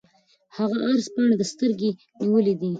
هغه عرض پاڼې ته سترګې نیولې دي.